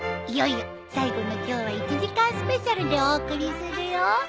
いよいよ最後の今日は１時間スペシャルでお送りするよ。